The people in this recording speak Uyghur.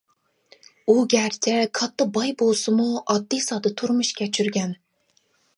ئۇ گەرچە كاتتا باي بولسىمۇ، ئاددىي-ساددا تۇرمۇش كەچۈرگەن.